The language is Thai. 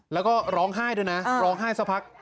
แล้วก็ร้องไห้ด้วยนะร้องไห้สักพัก